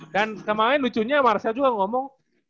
dan kemarin lucunya marcel juga ngomong